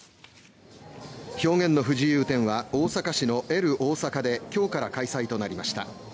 表現の不自由展は大阪市のエル・おおさかで今日から開催となりました。